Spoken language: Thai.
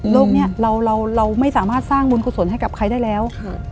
นี้เราไม่สามารถสร้างบุญกุศลให้กับใครได้แล้ว